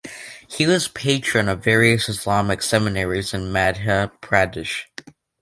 He was patron of various Islamic seminaries in Madhya Pradesh.